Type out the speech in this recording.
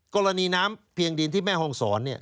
กรณีน้ำเพียงดินที่แม่ฮ่องสรเนี่ย